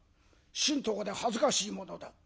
新刀で恥ずかしいものだ」。